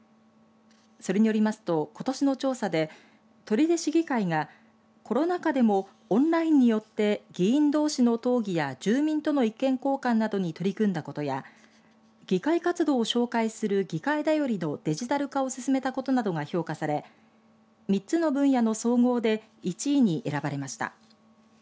それによりますとことしの調査で取手市議会がコロナ禍でもオンラインによって議員どうしの討議や住民との意見交換などに取り組んだことや議会活動を紹介する議会だよりのデジタル化を進めたことなどが評価され３つの分野の総合で１位に選ばれました。